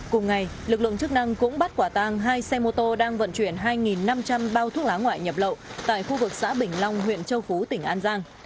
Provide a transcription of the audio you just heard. cùng ngày lực lượng chức năng cũng bắt quả tang hai xe mô tô đang vận chuyển hai năm trăm linh bao thuốc lá ngoại nhập lậu tại khu vực xã bình long huyện châu phú tỉnh an giang